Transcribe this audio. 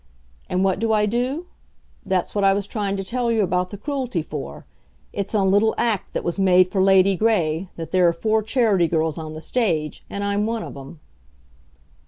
And what do I do? That's what I was trying to tell you about the Cruelty for. It's in a little act that was made for Lady Gray, that there are four Charity girls on the stage, and I'm one of 'em.